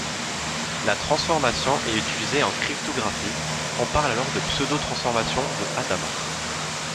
La transformation est utilisée en cryptographie, on parle alors de pseudo-transformation de Hadamard.